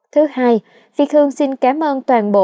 thứ hai phi hương xin cảm ơn toàn bộ